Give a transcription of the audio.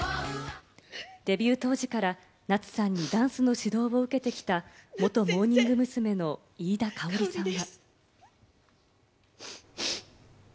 デビュー当時から夏さんにダンスの指導を受けてきた元モーニング娘。の飯田圭織さんは。